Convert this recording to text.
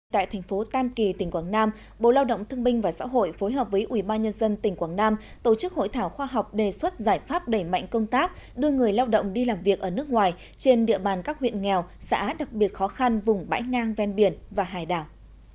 tại thành phố tam kỳ tỉnh quảng nam bộ lao động thương minh và xã hội phối hợp với ubnd tỉnh quảng nam tổ chức hội thảo khoa học đề xuất giải pháp đẩy mạnh công tác đưa người lao động đi làm việc ở nước ngoài trên địa bàn các huyện nghèo xã đặc biệt khó khăn vùng bãi ngang ven biển và hải đảo